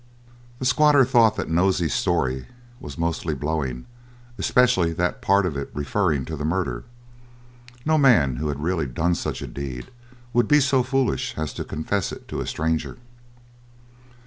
The squatter thought that Nosey's story was mostly blowing, especially that part of it referring to the murder. No man who had really done such a deed, would be so foolish as to confess it to a stranger.